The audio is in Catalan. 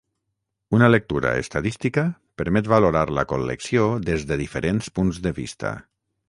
Una lectura estadística permet valorar la col·lecció des de diferents punts de vista.